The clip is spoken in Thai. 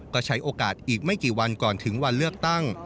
ก็ใช้โอกาสอีกไม่กี่วันก่อนถึงวันเลือกตั้ง